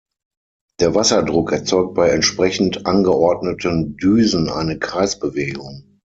Der Wasserdruck erzeugt bei entsprechend angeordneten Düsen eine Kreisbewegung.